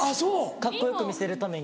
カッコよく見せるために。